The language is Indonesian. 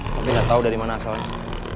tapi nggak tahu dari mana asalnya